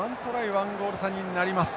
１ゴール差になります。